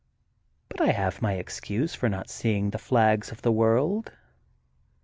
But I have my excuse for not seeing the flags of my world.